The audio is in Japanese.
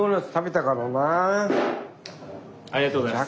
ありがとうございます。